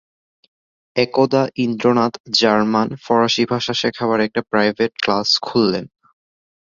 একদা ইন্দ্রনাথ জার্মান ফরাসি ভাষা শেখাবার একটা প্রাইভেট ক্লাস খুললেন।